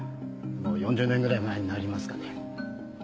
もう４０年ぐらい前になりますかね。